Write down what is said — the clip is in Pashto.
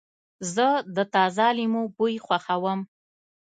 زه د تازه لیمو بوی خوښوم.